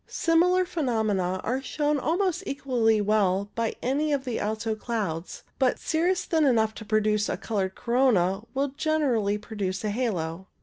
Similar phenomena are shown almost equally well by any of the alto clouds, but cirrus thin enough to produce a coloured corona will generally produce a halo.